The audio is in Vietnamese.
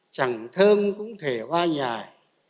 chẳng thơm cũng thể hoa nhài